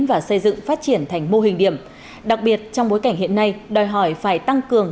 và xây dựng phát triển thành mô hình điểm đặc biệt trong bối cảnh hiện nay đòi hỏi phải tăng cường